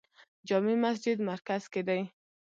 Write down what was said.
جامع مسجد مرکز کې دی